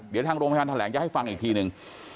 เดี๋ยวทางโรงพยาบาลแถลงจะให้ฟังอีกทีนึง